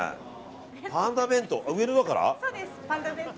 パンダ弁当？